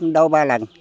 đâu ba lần